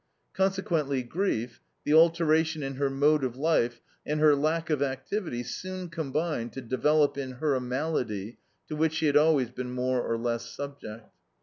Consequently grief, the alteration in her mode of life, and her lack of activity soon combined to develop in her a malady to which she had always been more or less subject.